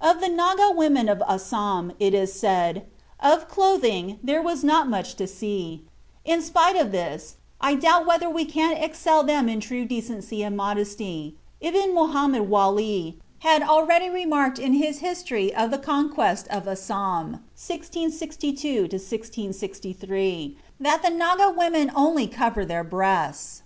Of the Naga women of Assam it is said: "Of clothing there was not much to see; but in spite of this I doubt whether we could excel them in true decency and modesty. Ibn Muhammed Wali had already remarked in his history of the conquest of Assam (1662 63), that the Naga women only cover their breasts.